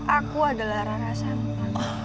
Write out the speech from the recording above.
aku adalah rana sampal